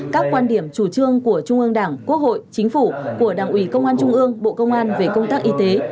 các quan điểm chủ trương của trung ương đảng quốc hội chính phủ của đảng ủy công an trung ương bộ công an về công tác y tế